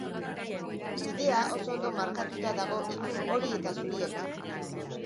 Bidea oso ondo markatuta dago ikur hori eta zuriekin.